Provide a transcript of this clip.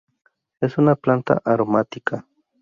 Es una planta aromática.